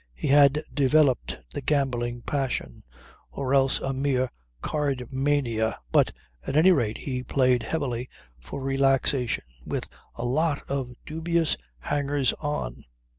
He had developed the gambling passion or else a mere card mania but at any rate he played heavily, for relaxation, with a lot of dubious hangers on.